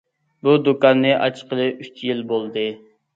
بۇ دۇكاننى ئاچقىلى ئۈچ يىل بولدى.